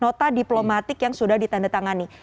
nota diplomatik yang sudah ditandatangani